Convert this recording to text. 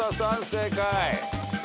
正解。